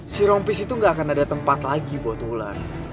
si rompis itu gak akan ada tempat lagi buat ular